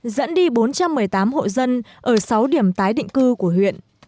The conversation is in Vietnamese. dẫn đi bốn trăm một mươi tám hộ dân ở sáu điểm tái định cư của huyện